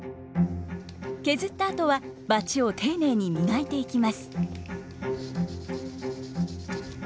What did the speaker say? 削ったあとはバチを丁寧に磨いていきます。